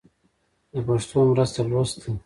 د پښتو مرسته لوست ده.